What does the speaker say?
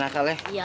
besok lagi ya